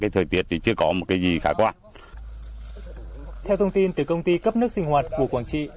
theo thông tin từ công ty cấp nước sinh hoạt của quảng trị